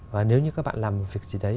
và nếu như các bạn làm việc gì đấy